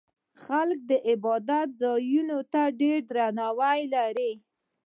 خلک د عبادت ځایونو ته ډېر درناوی لري.